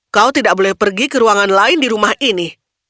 kau tidak boleh pergi ke ruangan lain di rumah ini